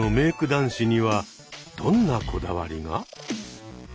男子にはどんなこだわりが？